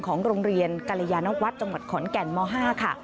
ของโรงเรียนกรยานวัฒน์จังหวัดขอนแก่นม๕ค่ะ